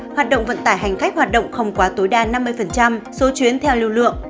hoạt động vận tải hành khách hoạt động không quá tối đa năm mươi số chuyến theo lưu lượng